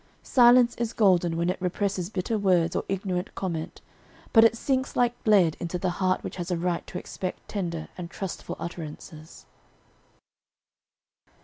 'Silence is golden' when it represses bitter words or ignorant comment, but it sinks like lead into the heart which has a right to expect tender and trustful utterances."